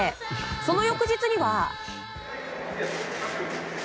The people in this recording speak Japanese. その翌日には。